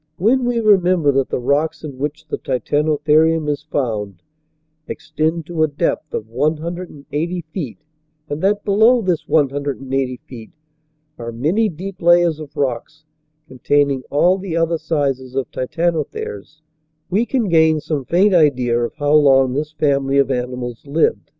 When we re TITANOTHERES AND OTHERS 105 member that the rocks in which the Titanotherium is found extend to a depth of one hundred and eighty feet and that below this one hundred and eighty feet are many deep layers of rocks containing all the other sizes of Titanotheres, we can gain some faint idea of how long this family of animals lived.